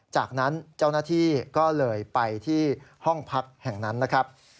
จากนั้นเจ้าหน้าที่ก็เลยไปที่ห้องพักแห่งนั้นนะครับ